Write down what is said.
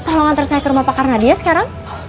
tolong antar saya ke rumah pakar nadia sekarang